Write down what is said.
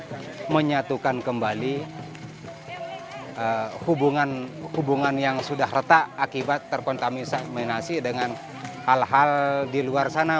kita menyatukan kembali hubungan yang sudah retak akibat terkontaminasi dengan hal hal di luar sana